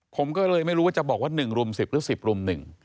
ผมก็เลยไม่รู้ว่าจะบอกว่า๑รุม๑๐หรือ๑๐รุม๑